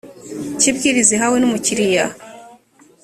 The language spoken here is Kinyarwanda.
cy ibwiriza ihawe n umukiriya